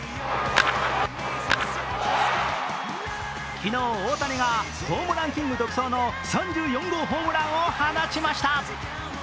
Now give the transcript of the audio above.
昨日、大谷がホームランキング独走の３４号ホームランを放ちました。